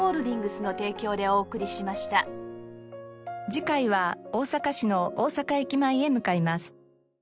次回は大阪市の大阪駅前へ向かいます。